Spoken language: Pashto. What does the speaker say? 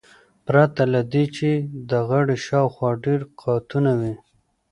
پرته له دې چې د غاړې شاوخوا ډیر قاتونه وي